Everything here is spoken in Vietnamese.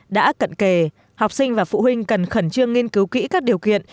đã cận kề học sinh và phụ huynh cần khẩn trương nghiên cứu kỹ các điều kiện